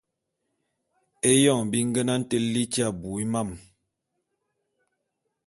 Éyoñg bi ngenane te tili abui mam...